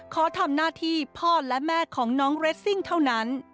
ขอทำหน้าที่พ่อและแม่ของน้องเรสซิ่งเท่านั้น